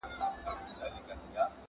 پر دوو پښو راته ولاړ یې سم سړی یې `